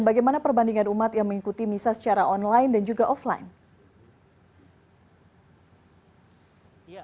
bagaimana perbandingan umat yang mengikuti misa secara online dan juga offline